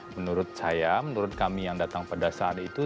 menurut saya menurut kami yang datang pada saat itu